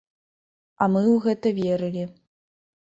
А мы ў гэта верылі.